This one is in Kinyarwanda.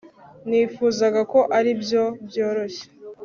Nifuzaga ko aribyo byoroshye